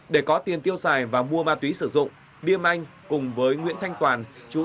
để có tiền tiêu xài và mua ma túy sử dụng bia anh cùng với nguyễn thanh toàn